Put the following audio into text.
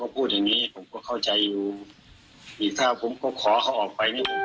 ผมก็เข้าใจอยู่หรือถ้าผมขอเขาออกไป